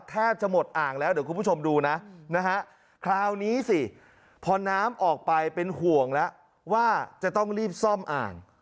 แทบจะหมดอ่างแล้วเดี๋ยวคุณผู้ชมดูนะนะฮะคราวนี้สิพอน้ำออกไปเป็นห่วงแล้วว่าจะต้องรีบซ่อมอ่าง